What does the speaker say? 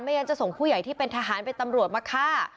งั้นจะส่งผู้ใหญ่ที่เป็นทหารเป็นตำรวจมาฆ่า